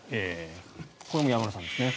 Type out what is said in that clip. これも山村さんですね。